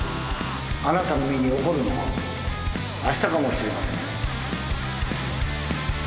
あなたの身に起こるのはあしたかもしれません。